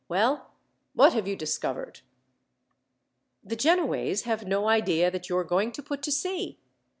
Well, what have you discovered?" "The Genoese have no idea that you are going to put to sea.